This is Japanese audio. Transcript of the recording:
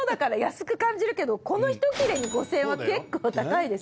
この一切れに５，０００円は結構高いですよ。